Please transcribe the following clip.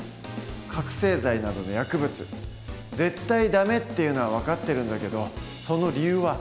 覚醒剤などの薬物「絶対ダメ」っていうのは分かってるんだけどその理由は？